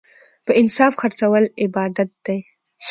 په انصاف خرڅول عبادت دی.